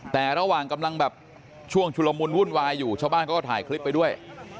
แต่ระหว่างกำลังแบบช่วงชุลมุนวุ่นวายอยู่ชาวบ้านเขาก็ถ่ายคลิปไปด้วย